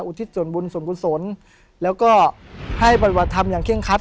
อุทิศส่วนบุญส่วนคุณสนแล้วก็ให้ประวัฒนธรรมอย่างเคร่งคัด